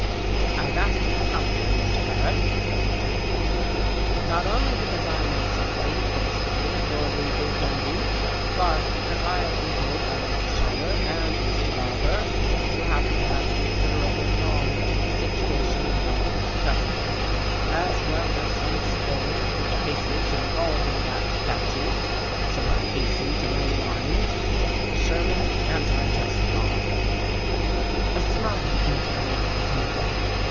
"I have asked you to come here, Mr. Paret," said the banker, "not only because I know something personally of your legal ability, but because I have been told by Mr. Scherer and Mr. Barbour that you happen to have considerable knowledge of the situation we are discussing, as well as some experience with cases involving that statute somewhat hazy to lay minds, the Sherman anti trust law." A smile went around the table.